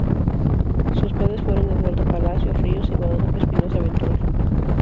Sus padres fueron Eduardo Palacios Ríos y Guadalupe Espinosa Ventura.